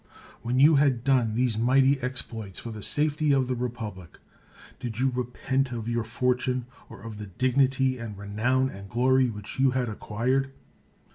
When you had done these mighty exploits for the safety of the republic, did you repent of your fortune, or of the dignity and renown and glory which you had acquired?